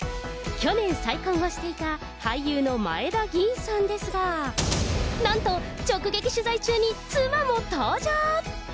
去年再婚をしていた俳優の前田吟さんですが、なんと、直撃取材中に妻も登場。